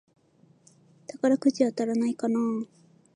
宝くじ当たらないかなぁ